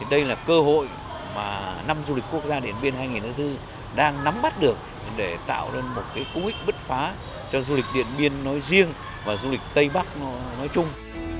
đây là cơ hội mà năm du lịch quốc gia điện biên hai nghìn hai mươi bốn đang nắm bắt được để tạo ra một cú ích bứt phá cho du lịch điện biên nói riêng và du lịch tây bắc nói chung